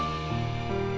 kamu makin suka